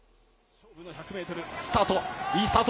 勝負の１００メートル、スタート。